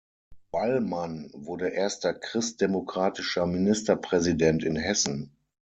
Wallmann wurde erster christdemokratischer Ministerpräsident in Hessen.